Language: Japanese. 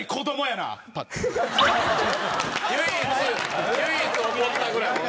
唯一唯一怒ったぐらい。